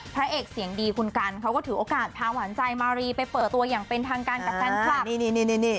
พระเอกเสียงดีคุณกันเขาก็ถือโอกาสพาหวานใจมารีไปเปิดตัวอย่างเป็นทางการกับแฟนคลับ